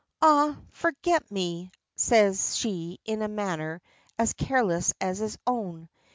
"Ah! forget me," says she in a manner as careless as his own.